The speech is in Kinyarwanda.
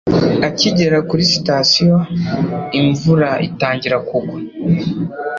Akigera kuri sitasiyo, imvura itangira kugwa.